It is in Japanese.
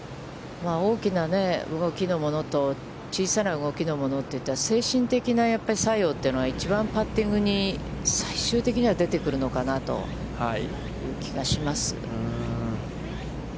大きな動きのものと、小さな動きのものといったら、精神的な作用というのが、一番パッティングに、最終的には出てくるのかなという気がします。